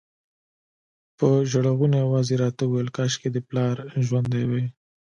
په ژړغوني اواز یې راته ویل کاشکې دې پلار ژوندی وای.